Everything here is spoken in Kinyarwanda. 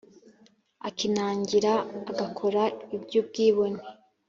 akinangira agakora iby ubwibone